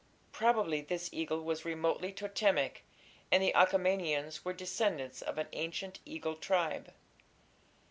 Probably this eagle was remotely Totemic, and the Achaemenians were descendants of an ancient eagle tribe.